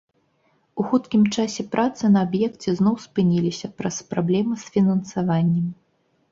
У хуткім часе працы на аб'екце зноў спыніліся праз праблемы з фінансаваннем.